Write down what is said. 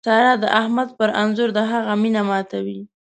سارا د احمد په انځور د هغه مینه ماتوي.